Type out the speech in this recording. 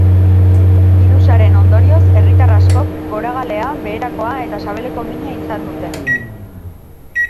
Birusaren ondorioz herritar askok goragalea, beherakoa eta sabeleko mina izan dute.